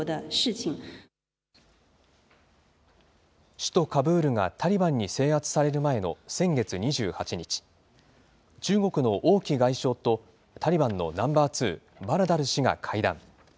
首都カブールがタリバンに制圧される前のせんげつ２８日、中国の王毅外相とタリバンのナンバー２、バラダル師が会談。